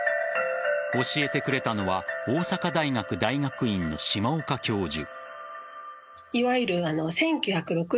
教えてくれたのは大阪大学大学院の島岡教授。